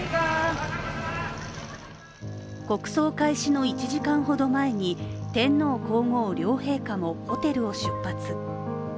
国葬開始の１時間ほど前に天皇皇后両陛下もホテルを出発。